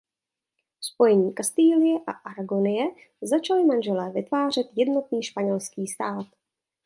Spojením Kastilie a Aragonie začali manželé vytvářet jednotný španělský stát.